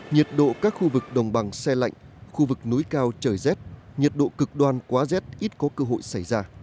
nhiệt độ các khu vực đồng bằng xe lạnh khu vực núi cao trời rét nhiệt độ cực đoan quá rét ít có cơ hội xảy ra